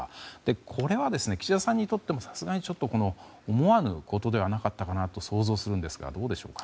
これは、岸田さんにとってもさすがに思わぬことではなかったのかなと想像するんですがどうでしょうか。